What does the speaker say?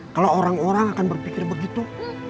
kalau orang orang akan berpikir begitu